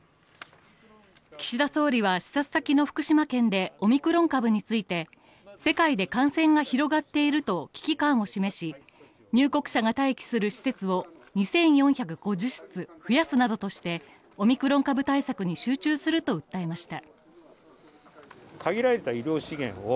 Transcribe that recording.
岸田総理は視察先の福島県でオミクロン株について、世界で感染が広がっていると危機感を示し、入国者が待機する施設を２４５０室増やすなどしてオミクロン株対策に集中すると訴えました。